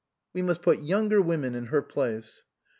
" We must put younger women in her place."